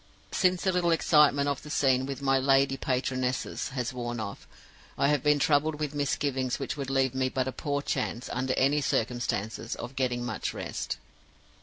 Since the little excitement of the scene with my 'lady patronesses' has worn off, I have been troubled with misgivings which would leave me but a poor chance, under any circumstances, of getting much rest.